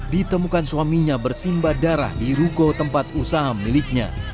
ditemukan suaminya bersimba darah di ruko tempat usaha miliknya